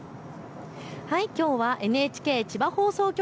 きょうはＮＨＫ千葉放送局